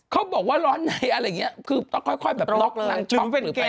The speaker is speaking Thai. เขาบอกว่าร้อนในตอนนี้คือต้องค่อยหลอกรั้งช็อป